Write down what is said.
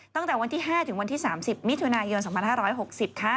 ตั้งแต่วันที่๕ถึงวันที่๓๐มิถุนายน๒๕๖๐ค่ะ